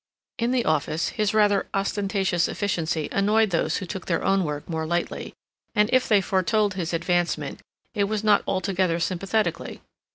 In the office his rather ostentatious efficiency annoyed those who took their own work more lightly, and, if they foretold his advancement, it was not altogether sympathetically.